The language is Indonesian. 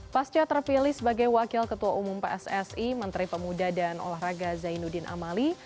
pasca terpilih sebagai wakil ketua umum pssi menteri pemuda dan olahraga zainuddin amali